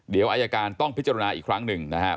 เดี๋ยวอายการต้องพิจารณาอีกครั้งหนึ่งนะครับ